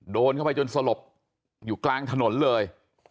โดนเข้าไปจนสลบอยู่กลางถนนเลย